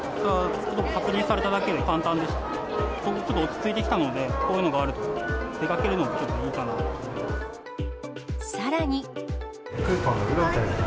ちょっと落ち着いてきたので、こういうのがあると出かけるのもいいかなと思います。